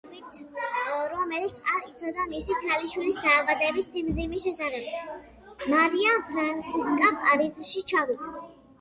დედის თანხლებით, რომელმაც არ იცოდა მისი ქალიშვილის დაავადების სიმძიმის შესახებ, მარია ფრანსისკა პარიზში ჩავიდა.